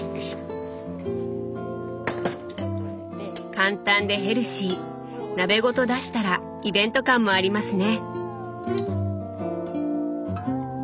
簡単でヘルシー鍋ごと出したらイベント感もありますね！